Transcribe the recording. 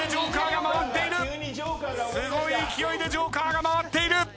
すごい勢いでＪＯＫＥＲが回っている。